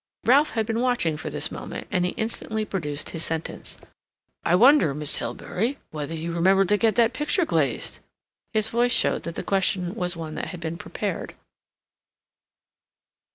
Ralph had been watching for this moment, and he instantly produced his sentence. "I wonder, Miss Hilbery, whether you remembered to get that picture glazed?" His voice showed that the question was one that had been prepared.